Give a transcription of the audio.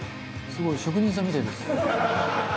すごい！職人さんみたいです。